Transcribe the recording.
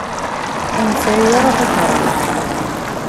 Ur nesɛi ara takeṛṛust.